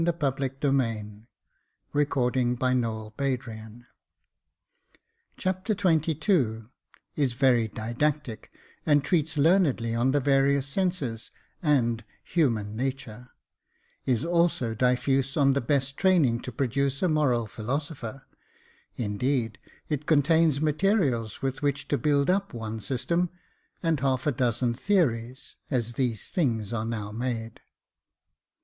By the time that her father came home, we were sworn friends. Chapter XXII Is very didactic, and treats learnedly on the various senses, and " human nature ;" is also diffuse on the best training to produce a moral philo sopher — Indeed, it contains materials with which to build up one system, and half a dozen theories, as these things are now made.